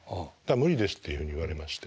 「無理です」っていうふうに言われまして。